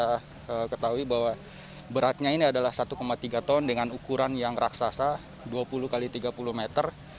kita ketahui bahwa beratnya ini adalah satu tiga ton dengan ukuran yang raksasa dua puluh x tiga puluh meter